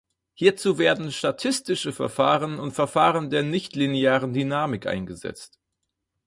Hierzu werden statistische Verfahren und Verfahren der nichtlinearen Dynamik eingesetzt.